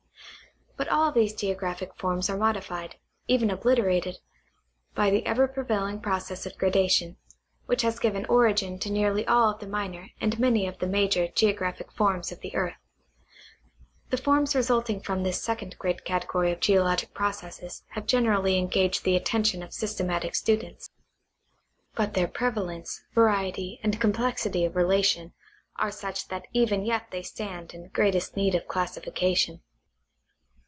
But all of these geographic forms are modified, even obliterated, by the ever prevailing process of gradation, which has given ori gin to nearly all of the minor and many of the major geographic forms of the earth. The forms resulting from this second great category of geologic processes have generally engaged the atten tion of systematic students, but their prevalence, variety and complexity of relation are such that even yet they stand in great est need of classification.